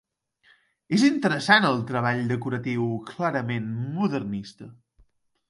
És interessant el treball decoratiu clarament modernista.